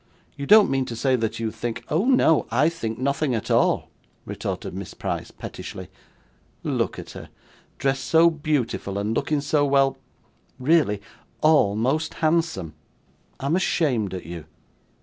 You don't mean to say that you think ' 'Oh no, I think nothing at all,' retorted Miss Price, pettishly. 'Look at her, dressed so beautiful and looking so well really ALMOST handsome. I am ashamed at you.